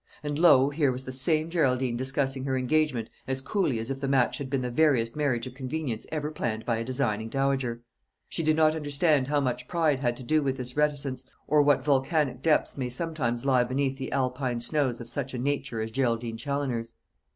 And, lo! here was the same Geraldine discussing her engagement as coolly as if the match had been the veriest marriage of convenience ever planned by a designing dowager. She did not understand how much pride had to do with this reticence, or what volcanic depths may sometimes lie beneath the Alpine snows of such a nature as Geraldine Challoner's.